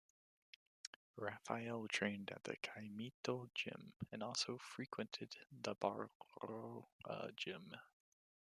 Rafael trained at the "Caimito Gym", and also frequented the Bairoa Gym.